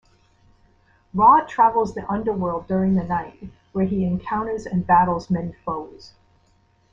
Ra travels the underworld during the night where he encounters and battles many foes.